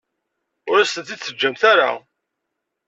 Ur as-tent-id-teǧǧamt ara.